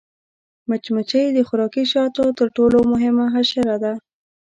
مچمچۍ د خوراکي شاتو تر ټولو مهمه حشره ده